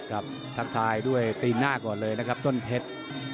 ทักทายด้วยตีหน้าก่อนเลยนะครับต้นเพชร